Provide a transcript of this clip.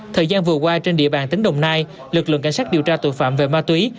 thời gian vừa qua trên địa bàn tỉnh đồng nai lực lượng cảnh sát điều tra tội phạm về ma túy